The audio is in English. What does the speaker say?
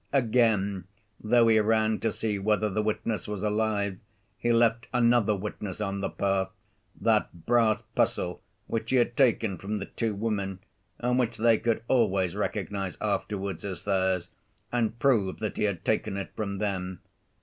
"Again, though he ran to see whether the witness was alive, he left another witness on the path, that brass pestle which he had taken from the two women, and which they could always recognize afterwards as theirs, and prove that he had taken it from them.